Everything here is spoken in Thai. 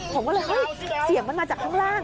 ผมก็เลยเฮ้ยเสียงมันมาจากข้างล่าง